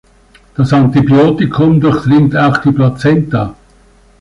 Das Antibiotikum durchdringt auch die Plazenta.